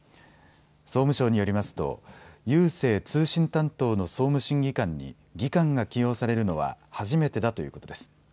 総務省によりますと郵政・通信担当の総務審議官に技官が起用されるのは初めてだということです。